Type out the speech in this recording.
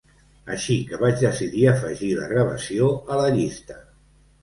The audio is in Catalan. Així que vaig decidir afegir la gravació a la llista.